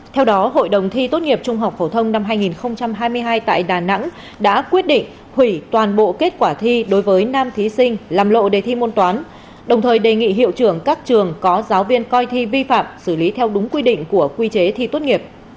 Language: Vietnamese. theo đó hội đồng thi tốt nghiệp trung học phổ thông năm hai nghìn hai mươi hai tại đà nẵng đã quyết định hủy toàn bộ kết quả thi đối với nam thí sinh làm lộ đề thi môn toán đồng thời đề nghị hiệu trưởng các trường có giáo viên coi thi vi phạm xử lý theo đúng quy định của quy chế thi tốt nghiệp